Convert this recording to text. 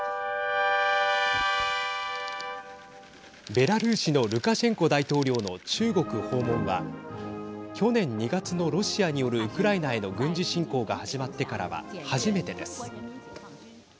ベラルーシのルカシェンコ大統領の中国訪問は去年２月のロシアによるウクライナへの軍事侵攻が始まってからは初めてです。